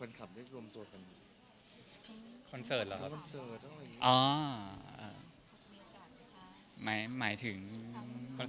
ว่าเรามาถึงคำนั้น